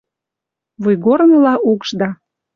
Вуйгорныла укшда